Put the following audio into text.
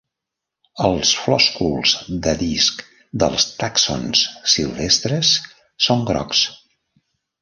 Els flòsculs de disc dels tàxons silvestres són grocs.